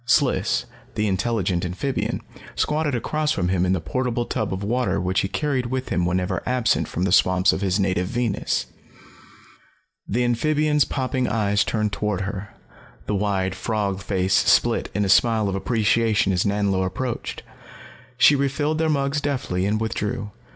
Sliss, the intelligent amphibian, squatted across from him in the portable tub of water which he carried with him whenever absent from the swamps of his native Venus. The amphibian's popping eyes turned toward her, the wide frog face split in a smile of appreciation as Nanlo approached. She refilled their mugs deftly and withdrew.